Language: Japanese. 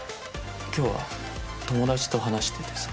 今日は友達と話しててさ。